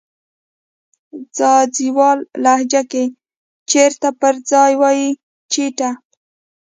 ځاځيواله لهجه کې د "چیرته" پر ځای وایې "چیته"